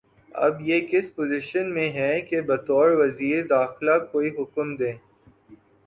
اب یہ کس پوزیشن میں ہیں کہ بطور وزیر داخلہ کوئی حکم دیں